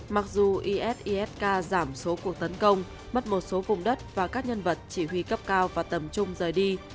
mặc dù ifisk giảm số cuộc tấn công mất một số vùng đất và các nhân vật chỉ huy cấp cao và tầm trung rời đi